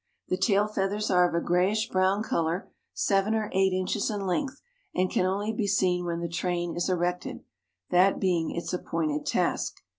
The tail feathers are of a grayish brown color seven or eight inches in length, and can only be seen when the train is erected, that being its appointed task.